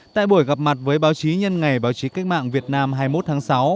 tại buổi gặp mặt với báo chí nhân ngày báo chí cách mạng việt nam hai mươi một tháng sáu